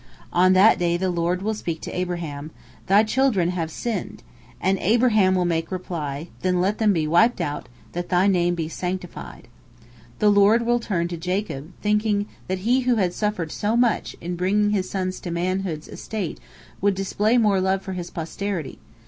On that day the Lord will speak to Abraham, "Thy children have sinned," and Abraham will make reply, "Then let them be wiped out, that Thy Name be sanctified." The Lord will turn to Jacob, thinking that he who had suffered so much in bringing his sons to manhood's estate would display more love for his posterity.